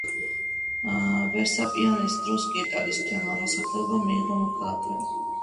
ვესპასიანეს დროს კი იტალიის მთელმა მოსახლეობამ მიიღო მოქალაქეობა.